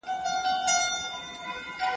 ايا ته مېوې راټولې کوې،